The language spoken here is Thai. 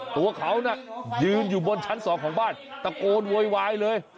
ตัวเขาน่ะยืนอยู่บนชั้น๒ของบ้านตะโกนโวยวายเลย